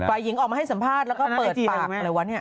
ฝ่ายหญิงออกมาให้สัมภาษณ์แล้วก็เปิดปากเลยว่าเนี่ย